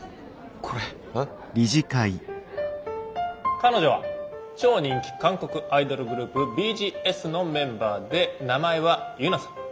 彼女は超人気韓国アイドルグループＢＧＳのメンバーで名前はユナさん。